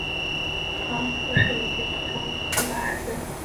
高斯是一对普通夫妇的儿子。